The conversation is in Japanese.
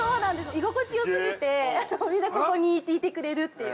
居心地よすぎてみんなここにいてくれるという。